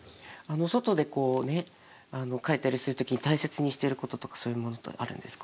外でこうね描いたりする時に大切にしていることとかそういうものってあるんですか？